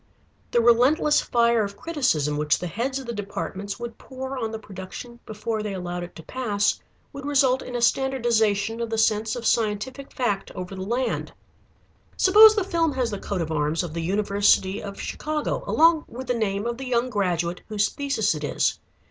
The relentless fire of criticism which the heads of the departments would pour on the production before they allowed it to pass would result in a standardization of the sense of scientific fact over the land. Suppose the film has the coat of arms of the University of Chicago along with the name of the young graduate whose thesis it is.